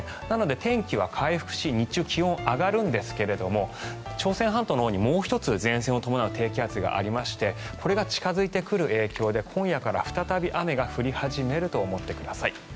なので天気は回復し日中、気温は上がるんですが朝鮮半島のほうに、もう１つ前線を伴う低気圧がありましてこれが近付いてくる影響で今夜から再び雨が降り始めると思ってください。